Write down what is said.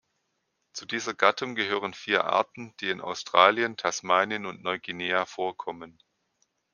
Zu dieser Gattung gehören vier Arten, die in Australien, Tasmanien und Neuguinea vorkommen.